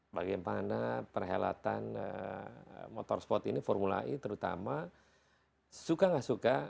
bagaimana perhelatan motorsport ini formulai terutama suka nggak suka